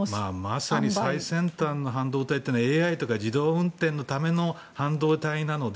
まさに最先端の半導体というのはＡＩとか自動運転のための半導体なので。